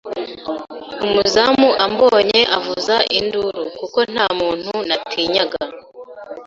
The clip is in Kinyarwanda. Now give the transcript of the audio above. umuzamu ambonye avuza induru kuko nta muntu natinyaga